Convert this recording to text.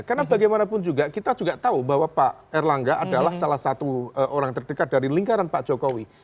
karena bagaimanapun juga kita juga tahu bahwa pak erlangga adalah salah satu orang terdekat dari lingkaran pak jokowi